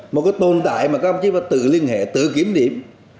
một tồn tại mà các ông chí tự liên hệ tự kiểm điểm